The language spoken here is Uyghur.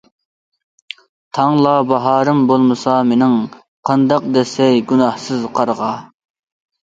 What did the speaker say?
تاڭلا باھارىم بولمىسا مېنىڭ، قانداق دەسسەي گۇناھسىز قارغا؟!